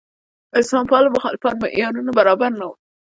اسلام پاله مخالفان معیارونو برابر نه وو.